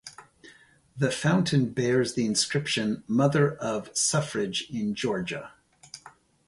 The fountain bears the inscription "Mother of Suffrage in Georgia".